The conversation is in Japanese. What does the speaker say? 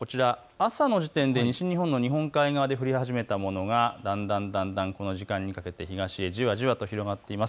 朝の時点で西日本の日本海側で降り始めたものがだんだんこの時間にかけて東へじわじわと広がっています。